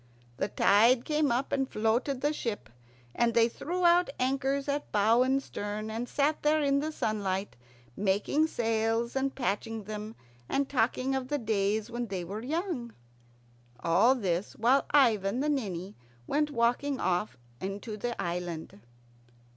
The tide came up and floated the ship, and they threw out anchors at bow and stern, and sat there in the sunlight, making sails and patching them and talking of the days when they were young. All this while Ivan the Ninny went walking off into the island.